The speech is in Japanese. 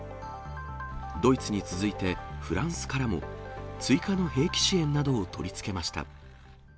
ドイツに続いて、フランスからも、追加の兵器支援などを取り付けました。